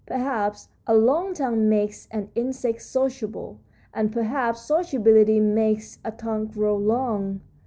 Perhaps a long tongue makes an insect sociable, and perhaps sociability makes a tongue grow long."